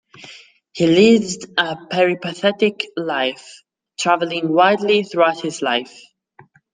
He lived a peripatetic life, travelling widely throughout his life.